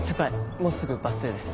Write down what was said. もうすぐバス停です。